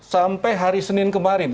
sampai hari senin kemarin